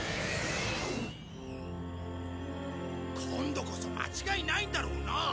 今度こそ間違いないんだろうな？